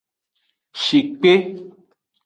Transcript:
Shikpe.